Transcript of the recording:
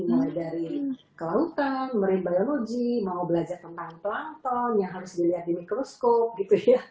mulai dari kelautan marine biologi mau belajar tentang pelangton yang harus dilihat di mikroskop gitu ya